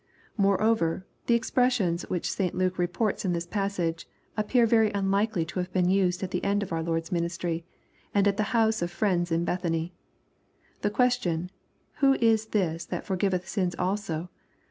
Moreover, the expressions which St Luke reports in this passage, appear very unlikely to have been used at the end of our Lord's ministry, and at the house of friends in Bethany. The question, " who is this that forgiveth sins also